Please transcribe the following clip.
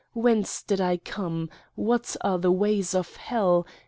Whence did I cornel What are the ways of Hell?